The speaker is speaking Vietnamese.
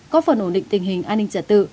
có phần ổn định tình hình an ninh trả tự